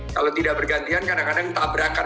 kalau tidak bergantian kadang kadang tabrakan